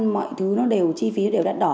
mọi thứ nó đều chi phí đều đắt đỏ